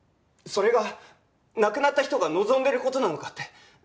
それが亡くなった人が望んでる事なのかって。